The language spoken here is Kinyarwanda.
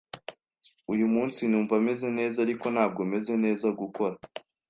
Uyu munsi numva meze neza, ariko ntabwo meze neza gukora.